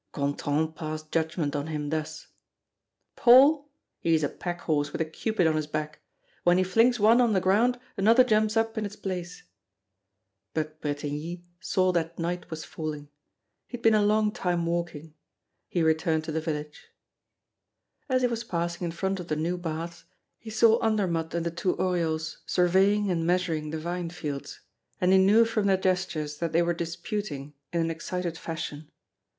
Gontran passed judgment on him thus: "Paul! he is a pack horse with a Cupid on his back. When he flings one on the ground, another jumps up in its place." But Bretigny saw that night was falling. He had been a long time walking. He returned to the village. As he was passing in front of the new baths, he saw Andermatt and the two Oriols surveying and measuring the vinefields; and he knew from their gestures that they were disputing in an excited fashion.